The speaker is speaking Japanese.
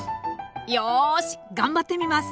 よし頑張ってみます。